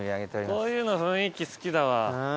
こういうの雰囲気好きだわ。